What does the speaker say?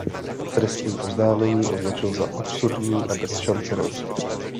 Trestní oznámení označil za absurdní a bez šance na úspěch.